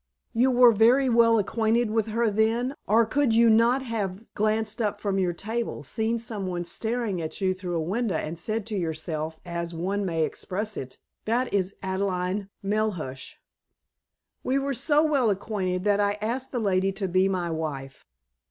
"You were very well acquainted with her, then, or you could not have glanced up from your table, seen someone staring at you through a window, and said to yourself, as one may express it:—'That is Adelaide Melhuish'." "We were so well acquainted that I asked the lady to be my wife."